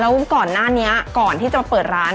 แล้วก่อนหน้านี้ก่อนที่จะเปิดร้าน